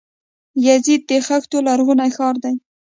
یزد د خښتو لرغونی ښار دی.